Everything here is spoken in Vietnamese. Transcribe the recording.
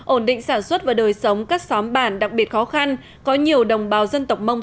ổn định sản xuất và đời sống các xóm bản đặc biệt khó khăn có nhiều đồng bào dân tộc mông